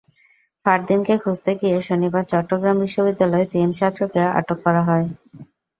ফারদিনকে খুঁজতে গিয়ে শনিবার চট্টগ্রাম বিশ্ববিদ্যালয়ের তিন ছাত্রকে আটক করা হয়।